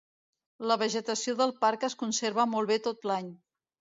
La vegetació del parc es conserva molt bé tot l'any.